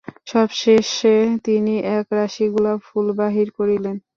সব শেষে তিনি একরাশি গোলাপফুল বাহির করিলেন।